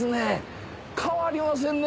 変わりませんね